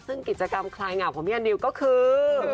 ซึ่งกิจกรรมคลายเหงาของพี่แอนดิวก็คือ